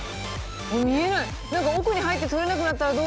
見えない！